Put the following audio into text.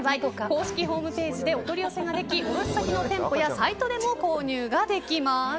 公式ホームページでお取り寄せができ卸先の店舗やサイトでも購入ができます。